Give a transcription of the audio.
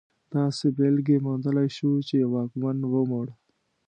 داسې بېلګې موندلی شو چې یو واکمن ومړ.